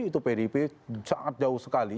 itu pdip sangat jauh sekali